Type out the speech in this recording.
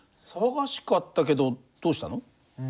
騒がしかったけどどうしたの？